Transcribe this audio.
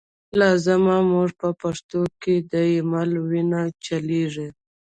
لاز موږ په پښتون زړه کی، ”دایمل” وینه چلیږی